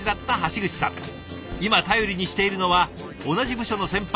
今頼りにしているのは同じ部署の先輩